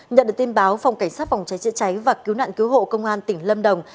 nhận được tin báo phòng cảnh sát phòng cháy chữa cháy và cứu nạn cứu hộ công an tỉnh lâm đồng